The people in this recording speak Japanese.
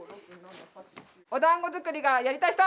おだんご作りがやりたい人！